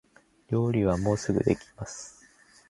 料理はもうすぐできます